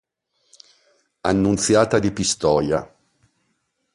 Annunziata di Pistoia.